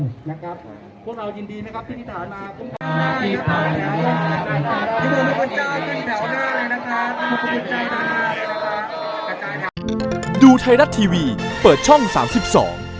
พวกเรายินดีที่นิสาหรับมาคุ้มพล